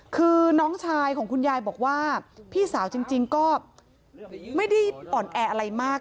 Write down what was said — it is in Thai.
คือน้องชายของคุณยายบอกว่าพี่สาวจริงก็ไม่ได้อ่อนแออะไรมาก